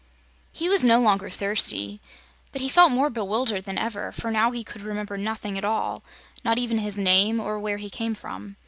He was now no longer thirsty, but he felt more bewildered than ever, for now he could remember nothing at all not even his name or where he came from.